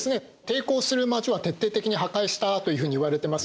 抵抗する町は徹底的に破壊したというふうにいわれてますね。